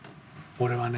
俺はね。